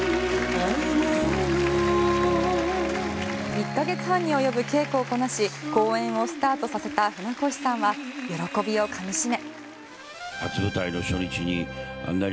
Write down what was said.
１ヶ月半に及ぶけいこをこなし公演をスタートさせた船越さんは喜びをかみしめ。